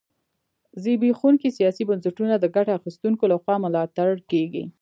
زبېښونکي سیاسي بنسټونه د ګټه اخیستونکو لخوا ملاتړ کېږي.